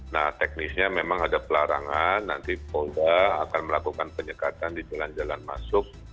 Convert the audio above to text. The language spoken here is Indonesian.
nah teknisnya memang ada pelarangan nanti polda akan melakukan penyekatan di jalan jalan masuk